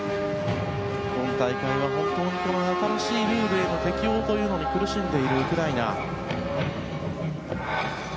今大会は新しいルールの適応というのに苦しんでいるウクライナ。